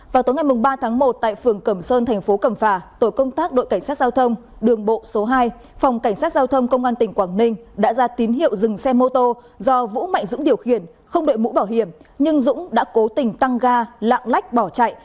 vào tối ngày ba tháng một tại phường cẩm sơn thành phố cẩm phả tội công tác đội cảnh sát giao thông đường bộ số hai phòng cảnh sát giao thông công an tỉnh quảng ninh đã ra tín hiệu dừng xe mô tô do vũ mạnh dũng điều khiển không đội mũ bảo hiểm nhưng dũng đã cố tình tăng ga lạng lách bỏ chạy